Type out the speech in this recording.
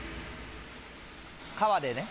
川でね。